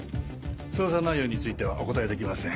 捜査内容についてはお答えできません。